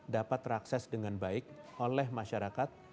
dapat terakses dengan baik oleh masyarakat